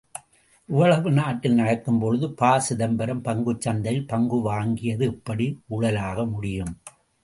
இவ்வளவும் நாட்டில் நடக்கும்பொழுது ப.சிதம்பரம் பங்குச் சந்தையில் பங்கு வாங்கியது எப்படி ஊழலாக முடியும்?